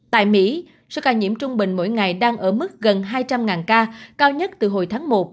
tại mỹ số ca nhiễm trung bình mỗi ngày đang ở mức gần hai trăm linh ca cao nhất từ hồi tháng một